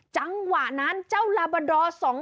จังหวะนั้นเจ้าลาบาดอร์๒๐